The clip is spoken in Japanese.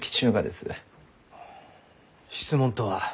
あ質問とは？